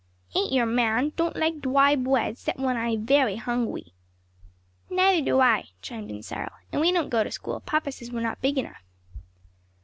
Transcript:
"Ain't your man! don't like dwy bwead, 'cept when I'se vewy hungwy." "Neither do I," chimed in Cyril. "And we don't go to school. Papa says we're not big enough."